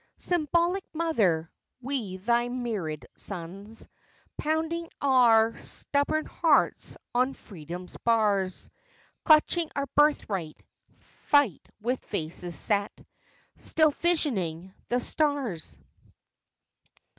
Symbolic mother, we thy myriad sons, Pounding our stubborn hearts on Freedom's bars, Clutching our birthright, fight with faces set, Still visioning the stars!